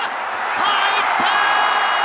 入った！